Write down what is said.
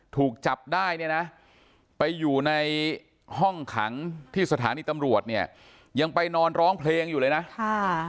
ถูกจับได้ไปอยู่ในห้องขังที่สถานีตำรวจยังไปนอนร้องเพลงอยู่เลยนะ